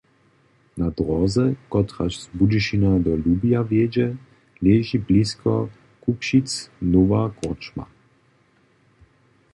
Na dróze, kotraž z Budyšina do Lubija wjedźe, leži blisko Kubšic nowa korčma.